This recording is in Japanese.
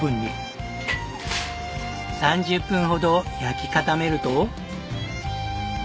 ３０分ほど焼き固めると。